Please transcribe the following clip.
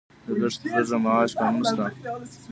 د لږ تر لږه معاش قانون شته؟